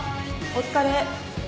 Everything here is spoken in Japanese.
お疲れ。